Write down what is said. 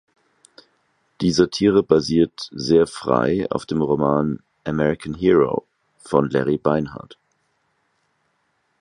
Die Satire basiert sehr frei auf dem Roman "American Hero" von Larry Beinhart.